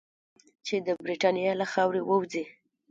چې د برټانیې له خاورې ووځي.